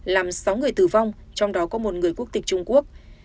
làm sáu người tử vong trong đó có một người quốc tịch trung quốc